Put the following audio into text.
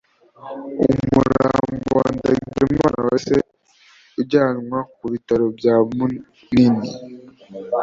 umurambo wa Ndagijimana wahise ujyanwa ku bitaro bya Munini